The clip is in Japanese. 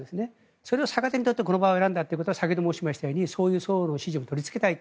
それを逆手にとってこの場を選んだということは先ほども申しましたようにそういう層を味方につけたいと。